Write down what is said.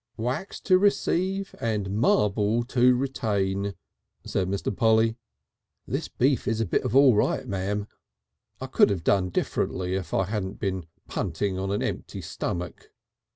"Wax to receive and marble to retain," said Mr. Polly. "This beef is a Bit of All Right, Ma'm. I could have done differently if I hadn't been punting on an empty stomach.